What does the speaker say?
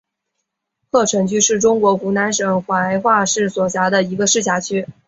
鹤城区是中国湖南省怀化市所辖的一个市辖区。